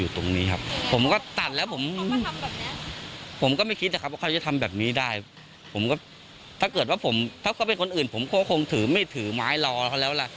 จะมาตีกันแบบนี้เลยเหรอ